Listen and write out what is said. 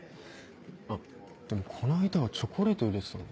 あっでもこの間はチョコレート入れてたな。